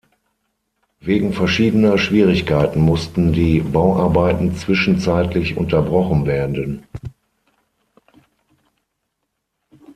Wegen verschiedener Schwierigkeiten mussten die Bauarbeiten zwischenzeitlich unterbrochen werden.